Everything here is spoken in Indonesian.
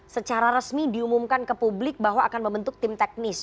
secara resmi diumumkan ke publik bahwa akan membentuk tim teknis